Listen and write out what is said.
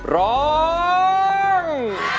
ร้อง